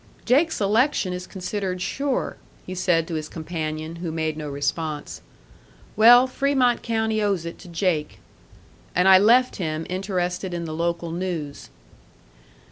"Jake's election is considered sure," he said to his companion, who made no response. "Well, Fremont County owes it to Jake." And I left him interested in the local news.